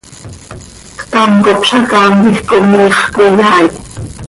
Ctam cop zacaam quij comiix cöiyaai.